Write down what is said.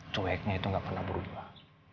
cueknya itu gak pernah berubah